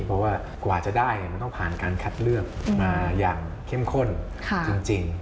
เพราะว่ากว่าจะได้มันต้องผ่านการคัดเลือกมาอย่างเข้มข้นจริง